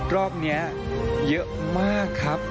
รอบนี้เยอะมากครับ